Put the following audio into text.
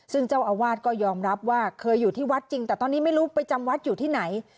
ซึ่งเจ้าอาวาสก็ยอมรับว่าเคยอยู่ที่วัดจริงแต่ตอนนี้ไม่รู้ไปจำวัดอยู่ที่ไหน